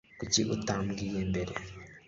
Kuki utambwiye mbere? (Anon)